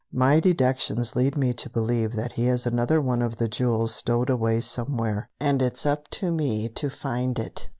My deductions lead me to believe that he has another one of the jewels stowed away somewhere, and it's up to me to find it."